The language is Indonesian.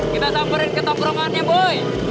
kita samperin ke top rumahannya boy